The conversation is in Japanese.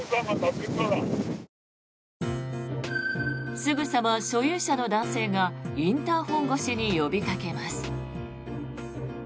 すぐさま所有者の男性がインターホン越しに呼びかけます。